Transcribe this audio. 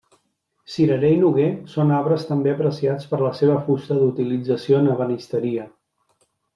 Cirerer i noguer són arbres també apreciats per la seva fusta d'utilització en ebenisteria.